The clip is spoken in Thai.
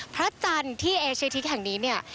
พระจันทร์ที่เอเชียทิกแห่งนี้เนี่ย